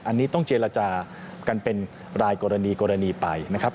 อันนี้ต้องเจรจากันเป็นรายกรณีกรณีไปนะครับ